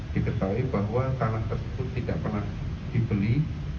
diketahui bahwa tanah tersebut tidak pernah dibeli